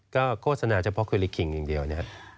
ก็โฆษณาเฉพาะเคลิขิงอย่างเดียวนะครับ